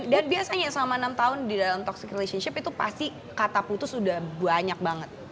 dan biasanya selama enam tahun dalam relationship yang toxic itu pasti kata putus sudah banyak banget